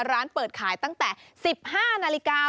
ร้านเปิดขายตั้งแต่๑๕นาฬิกา